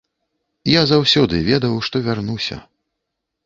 Я заўсёды ведаў, што вярнуся.